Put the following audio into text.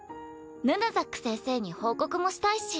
ヌヌザック先生に報告もしたいし。